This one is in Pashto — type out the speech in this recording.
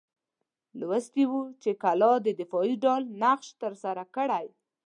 لوستي وو دې کلا دفاعي ډال نقش ترسره کړی.